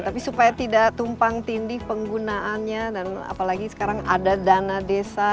tapi supaya tidak tumpang tindih penggunaannya dan apalagi sekarang ada dana desa